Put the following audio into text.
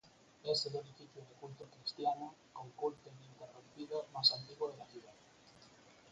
Es el edificio de culto cristiano, con culto ininterrumpido, más antiguo de la ciudad.